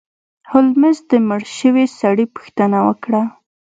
هولمز د مړ شوي سړي پوښتنه وکړه.